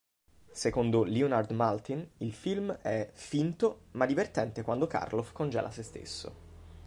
Secondo Leonard Maltin il film è "finto ma divertente quando Karloff congela se stesso".